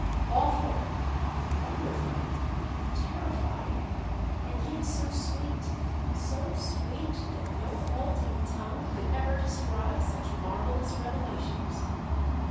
Awful, wonderful, terrifying ... and yet so sweet, so sweet that no halting tongue could ever describe such marvellous revelations.